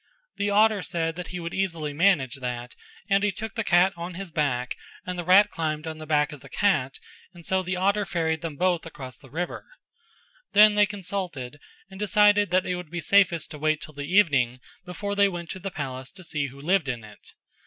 The otter said that he would easily manage that and he took the cat on his back and the rat climbed on to the back of the cat and so the otter ferried them both across the river; then they consulted and decided that it would be safest to wait till the evening before they went to the palace to see who lived in it.